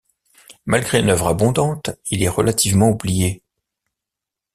Malgré une œuvre abondante, il est relativement oublié.